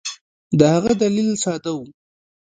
د هغه دلیل ساده وو.